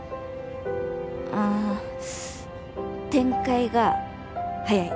ああ展開が早い。